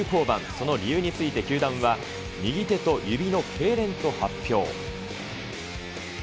その理由について球団は、右手と指のけいれんと発表。